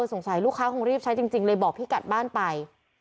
สงสัยลูกค้าคงรีบใช้จริงเลยบอกพี่กัดบ้านไป